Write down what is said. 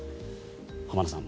浜田さん